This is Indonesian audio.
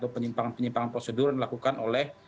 penyimpangan penyimpangan prosedur yang dilakukan oleh